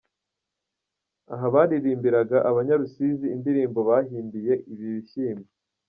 Aha baririmbiraga abanya-Rusizi indirimbo bahimbiye ibi bishyimbo.